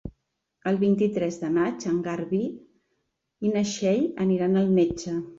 El vint-i-tres de maig en Garbí i na Txell aniran al metge.